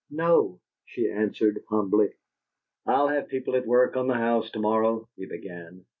"No," she answered, humbly. "I'll have people at work on the old house to morrow," he began.